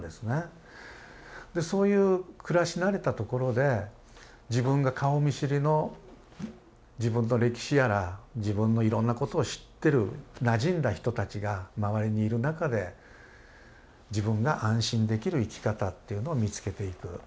でそういう暮らし慣れたところで自分が顔見知りの自分の歴史やら自分のいろんなことを知ってるなじんだ人たちが周りにいる中で自分が安心できる生き方っていうのを見つけていく。